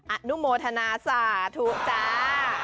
อนุโมทนาสาธุจ้า